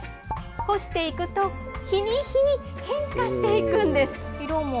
干していくと、日に日に変化していくんです。